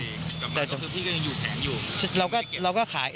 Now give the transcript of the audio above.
กลับมาแล้วที่ยังแผงอยู่